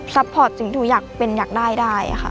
ซัพพอร์ตสิ่งที่อยากเป็นอยากได้ค่ะ